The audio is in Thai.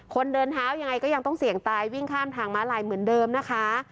คนเดินเท้ายังไงก็ยังต้องเสี่ยงตายวิ่งข้ามทางม้าลายเหมือนเดิมนะคะ